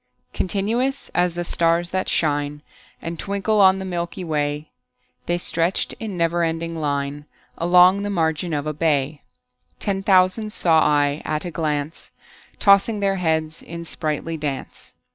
Continuous as the stars that shine And twinkle on the milky way, The stretched in never ending line Along the margin of a bay: Ten thousand saw I at a glance, Tossing their heads in sprightly dance.